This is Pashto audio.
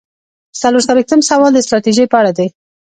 څلور څلویښتم سوال د ستراتیژۍ په اړه دی.